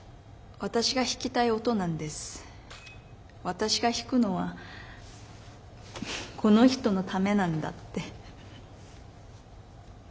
私が弾くのはこの人のためなんだって。